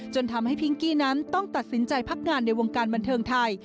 จนทำให้พิงกี้นั้นต้องตัดสินใจพักงานในวงการบันเทิงไทย